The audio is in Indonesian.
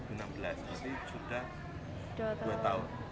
dua ribu enam belas jadi sudah dua tahun